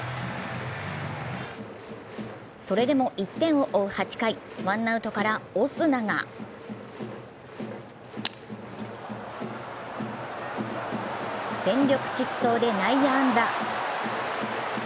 それでも１点を追う８回、ワンアウトからオスナが全力疾走で内野安打。